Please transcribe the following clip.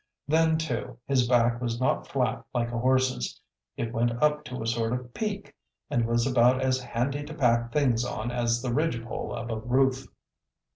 Then, too, his back was not flat like a horse's. It went up to a sort of peak, and was about as handy to pack things on as the ridge pole of a roof.